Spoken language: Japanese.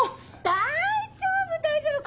大丈夫大丈夫！